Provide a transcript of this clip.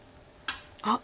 あっ！